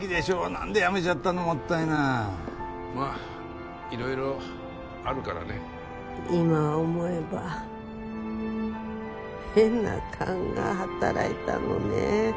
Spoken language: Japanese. なんで辞めちゃったのまあいろいろあるからね今思えば変なカンが働いたのね。